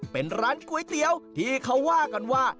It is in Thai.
เป็นร้านก๋วยเตี๋ยวที่เขาว่ากันว่า